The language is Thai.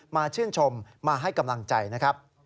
ชื่นชมมาให้กำลังใจนะครับ